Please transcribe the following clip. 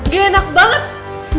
gila enak banget